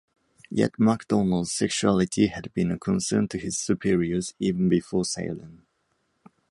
Yet MacDonald's sexuality had been a concern to his superiors even before Ceylon.